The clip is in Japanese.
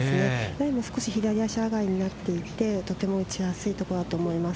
ライも少し左足上がりになっていてとても打ちやすい所だと思います。